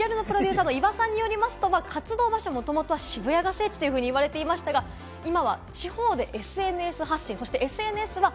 『ＫＯＧＹＡＲＵ』のプロデューサー・井場さんによりますと活動場所、もともと渋谷が聖地と言われていましたが、今は地方でＳＮＳ発信。